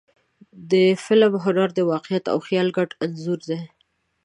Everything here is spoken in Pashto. د فلم هنر د واقعیت او خیال ګډ انځور دی.